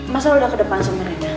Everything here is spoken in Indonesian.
masal udah ke depan sama rena